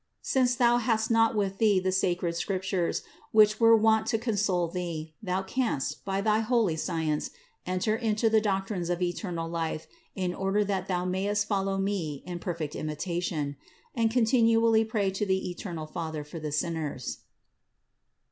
Since thou hast not with thee the sacred Scriptures, which were wont to console thee, thou canst, by my holy science, enter into the doctrines of eternal life, in order that thou mayest follow Me in perfect imitation. And continually pray to the eternal Father for the sinners."